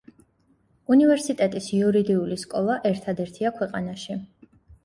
უნივერსიტეტის იურიდიული სკოლა ერთადერთია ქვეყანაში.